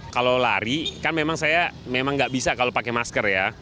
kalau lari kan memang saya memang nggak bisa kalau pakai masker ya